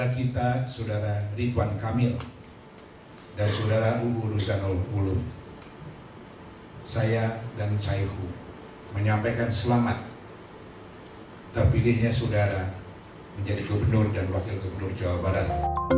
kita sudara ridwan kamil dan sudara uruzanul ulum saya dan saiku menyampaikan selamat terpilihnya sudara menjadi gubernur dan wakil gubernur jawa barat